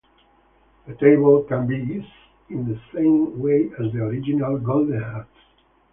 The table can be used in the same way as the original Golden Hats.